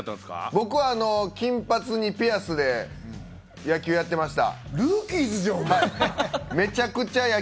僕は金髪にピアスで野球をやってました。